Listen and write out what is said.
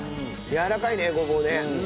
やわらかいねごぼうね。